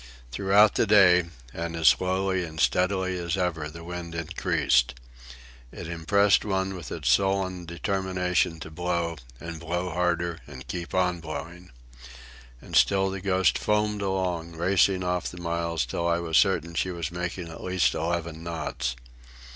Throughout the day, and as slowly and steadily as ever, the wind increased. It impressed one with its sullen determination to blow, and blow harder, and keep on blowing. And still the Ghost foamed along, racing off the miles till I was certain she was making at least eleven knots.